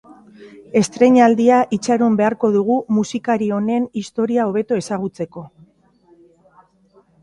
Estreinaldia itxaron beharko dugu musikari honen historia hobeto ezagutzeko.